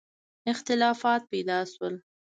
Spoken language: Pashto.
اختلافات پیدا شول.